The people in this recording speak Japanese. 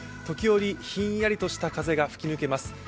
時折、ひんやりとした風が吹き抜けます。